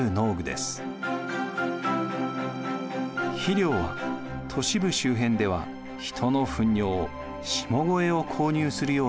肥料は都市部周辺では人のふん尿下肥を購入するようになりました。